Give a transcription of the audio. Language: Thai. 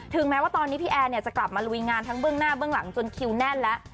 แม้ว่าตอนนี้พี่แอร์เนี่ยจะกลับมาลุยงานทั้งเบื้องหน้าเบื้องหลังจนคิวแน่นแล้ว